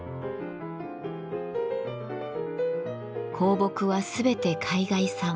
香木はすべて海外産。